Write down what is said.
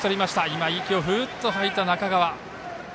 今、息をふーっと吐いた中川。